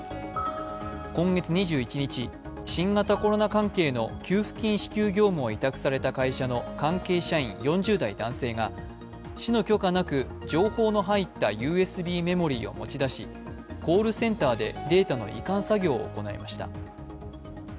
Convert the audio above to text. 今月２１日、新型コロナ関係の給付金支給業務を委託された会社の関係社員４０代男性が市の許可なく情報の入ったＵＳＢメモリーを持ち出し、コールセンターでデータの移管作業を行いました。